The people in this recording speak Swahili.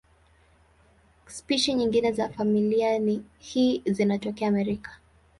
Spishi nyingine za familia hii zinatokea Amerika.